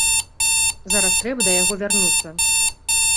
Зараз трэба да яго вярнуцца.